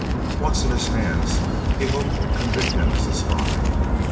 Once in his hands, he hoped to convict him as a spy.